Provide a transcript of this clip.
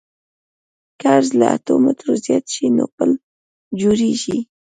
که عرض له اتو مترو زیات شي نو پل جوړیږي